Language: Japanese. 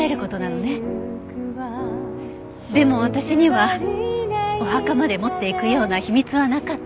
でも私にはお墓まで持っていくような秘密はなかった。